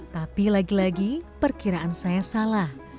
tapi lagi lagi perkiraan saya salah